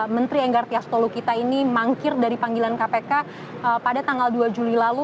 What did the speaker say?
menteri enggartia stolokita ini mangkir dari panggilan kpk pada tanggal dua juli lalu